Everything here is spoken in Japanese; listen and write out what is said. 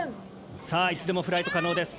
さあいつでもフライト可能です。